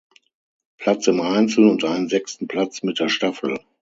Platz im Einzel und einen sechsten Platz mit der Staffel.